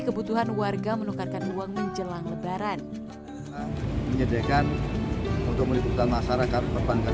kebutuhan warga menukarkan uang menjelang lebaran menyediakan untuk meliputkan masyarakat perbankan